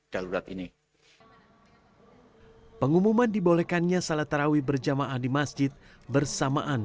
terlalu rapi nih pengumuman dibolehkannya salah tarawih berjamaah di masjid bersamaan